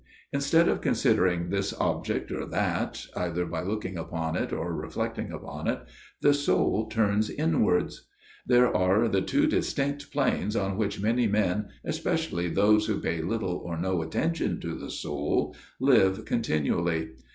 Instead of considering this object or that, either by looking upon it or reflecting upon it, the soul turns inwards. There are the two distinct planes on which many men, especially those who pay little or no attention to the soul, live continually.